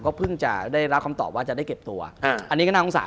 คุณผู้ชมบางท่าอาจจะไม่เข้าใจที่พิเตียร์สาร